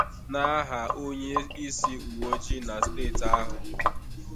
n'aha onyeisi uwe ojii na steeti ahụ